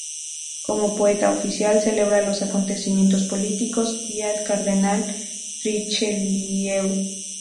Como poeta oficial, celebra los acontecimientos políticos y al cardenal Richelieu.